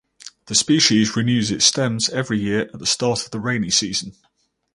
The species renews its stems every year at the start of the rainy season.